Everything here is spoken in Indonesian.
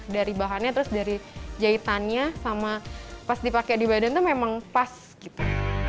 dari bahannya terus dari jahitannya sama pas dipakai di badan tuh memang pas gitu